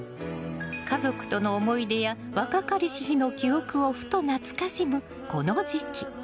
家族との思い出や若かりし日の記憶をふと懐かしむ、この時期。